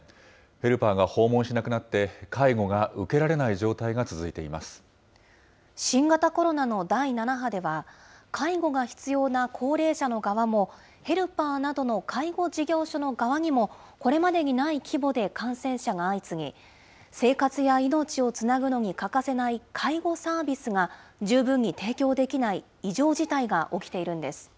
ヘルパーが訪問しなくなって介護が受けられない状態が続いていま新型コロナの第７波では、介護が必要な高齢者の側も、ヘルパーなどの介護事業所の側にも、これまでにない規模で感染者が相次ぎ、生活や命をつなぐのに欠かせない介護サービスが十分に提供できない異常事態が起きているんです。